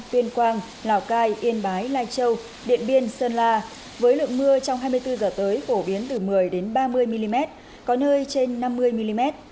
tuyên quang lào cai yên bái lai châu điện biên sơn la với lượng mưa trong hai mươi bốn h tới phổ biến từ một mươi ba mươi mm có nơi trên năm mươi mm